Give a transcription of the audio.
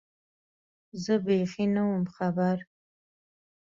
زه بېخي نه وم خبر